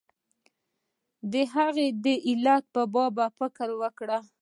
د هغې د علت په باب فکر وکړه.